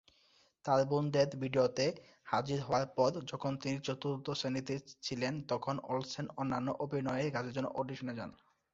তার বোনদের ভিডিওতে হাজির হওয়ার পর, যখন তিনি চতুর্থ শ্রেণিতে ছিলেন, তখন ওলসেন অন্যান্য অভিনয়ের কাজের জন্য অডিশনে যান।